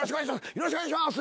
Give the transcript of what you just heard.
よろしくお願いします」